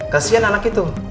kasian anak itu